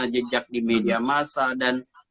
jejak di media masa dan